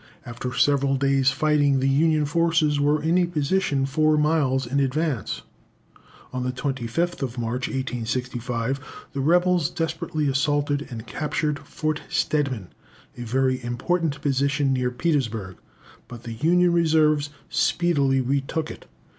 After several days' fighting, the Union forces were in a position four miles in advance. On the 25th March, 1865, the rebels desperately assaulted and captured Fort Stedman, a very important position near Petersburg; but the Union reserves speedily retook it.